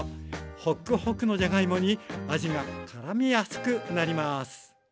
ホクホクのじゃがいもに味がからみやすくなります。